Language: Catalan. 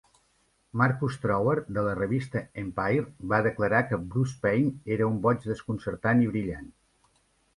Marcus Trower, de la revista "Empire", va declarar que Bruce Payne era un "boig desconcertant i brillant".